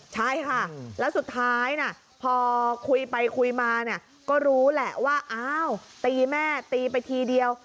ใช่ค่ะแล้วสุดท้ายนะพอคุยไปคุยมาเนี่ยก็รู้แหละว่าอ้าวตีแม่ตีไปทีเดียว